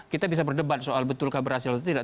kita bisa berdebat soal betulkah berhasil atau tidak